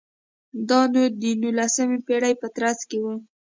دا د نولسمې پېړۍ په ترڅ کې و.